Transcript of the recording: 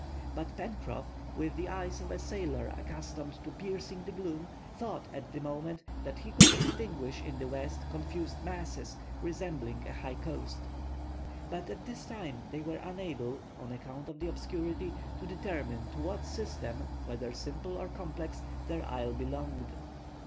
But Pencroff, with the eyes of a sailor accustomed to piercing the gloom, thought, at the moment, that he could distinguish in the west confused masses, resembling a high coast. But at this time they were unable, on account of the obscurity, to determine to what system, whether simple or complex, their isle belonged.